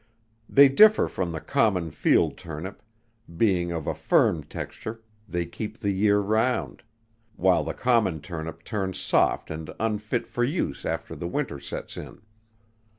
They differ from the common field turnip, being of a firm texture they keep the year round; while the common turnip turns soft and unfit for use after the winter sets in.